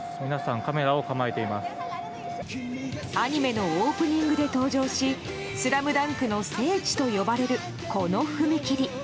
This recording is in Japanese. アニメのオープニングで登場し「ＳＬＡＭＤＵＮＫ」の聖地と呼ばれる、この踏切。